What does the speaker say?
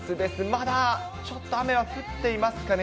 まだちょっと雨は降っていますかね。